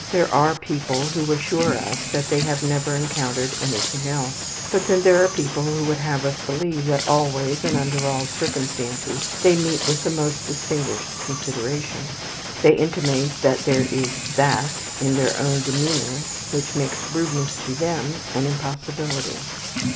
There are people who assure us that they have never encountered anything else; but then there are people who would have us believe that always and under all circumstances they meet with the most distinguished consideration. They intimate that there is that in their own demeanour which makes rudeness to them an impossibility.